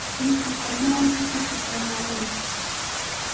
Mishipanawmi tukupa ñawinqa.